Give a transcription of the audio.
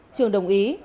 trường đồng ý